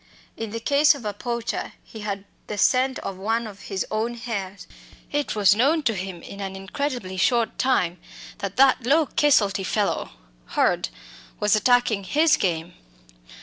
In the case of a poacher he had the scent of one of his own hares. It was known to him in an incredibly short time that that "low caselty fellow Hurd" was attacking "his" game.